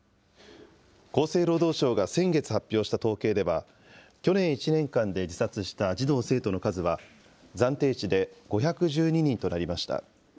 厚生労働省が先月発表した統計では、去年１年間で自殺した児童・生徒の数は、暫定値で５１２人となりました。